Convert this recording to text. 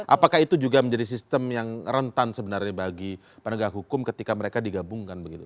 apakah itu juga menjadi sistem yang rentan sebenarnya bagi penegak hukum ketika mereka digabungkan begitu